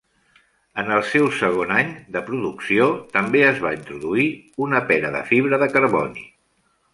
En el seu segon any de producció, també es va introduir una pera de fibra de carboni.